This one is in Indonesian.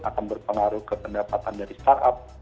akan berpengaruh ke pendapatan dari startup